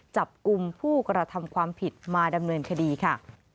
จับกลุ่มผู้กระทำความผิดมาดำเนินคดีค่ะ